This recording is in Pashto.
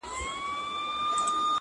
د سكون له سپينه هــاره دى لوېـدلى,